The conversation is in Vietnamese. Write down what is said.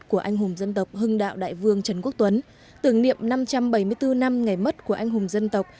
của anh hùng dân tộc hưng đạo đại vương trần quốc tuấn tưởng niệm năm trăm bảy mươi bốn năm ngày mất của anh hùng dân tộc